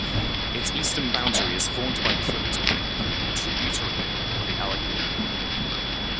Its eastern boundary is formed by Crooked Creek, a tributary of the Allegheny.